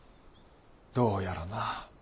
どうやらな。